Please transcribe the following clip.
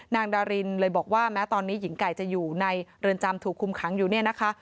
นางดารินเลยบอกว่าแม้ตอนนี้หญิงไก่จะอยู่ในเรือนจำถูกคุมขังอยู่เนี่ยนะคะ